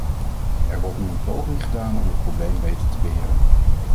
Er wordt nu een poging gedaan om het probleem beter te beheren.